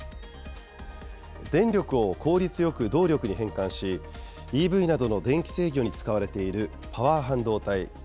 電力を効率よく動力に変換し、ＥＶなどの電気制御に使われているパワー半導体。